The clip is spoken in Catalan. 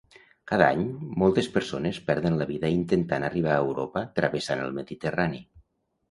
Cada any moltes persones perden la vida intentant arribar a Europa travessant el Mediterrani.